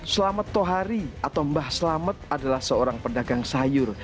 selamat tohari atau mbah selamet adalah seorang pedagang sayur